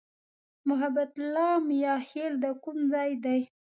محبت الله "میاخېل" د کوم ځای دی؟